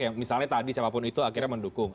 yang misalnya tadi siapapun itu akhirnya mendukung